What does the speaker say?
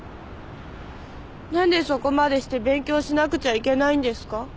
何でそこまでして勉強しなくちゃいけないんですか？